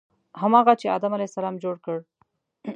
هماغه چې آدم علیه السلام جوړ کړ.